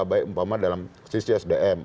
baik umpama dalam sisi sdm